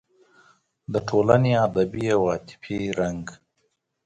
د ټولنې ادبي او عاطفي رنګ